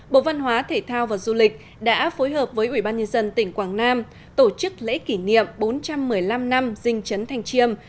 bộ văn hóa thể thao và du lịch đã phối hợp với ủy ban nhân dân tỉnh quảng nam tổ chức lễ kỷ niệm bốn trăm một mươi năm năm dinh chấn thành chiêm